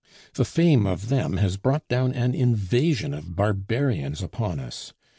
The fame of them has brought down an invasion of barbarians upon us.